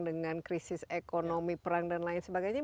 dengan krisis ekonomi perang dan lain sebagainya